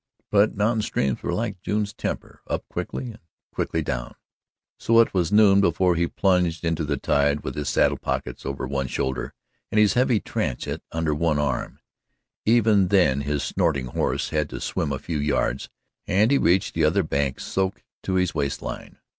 But mountain streams were like June's temper up quickly and quickly down so it was noon before he plunged into the tide with his saddle pockets over one shoulder and his heavy transit under one arm. Even then his snorting horse had to swim a few yards, and he reached the other bank soaked to his waist line.